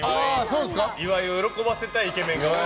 岩井を喜ばせたいイケメンが。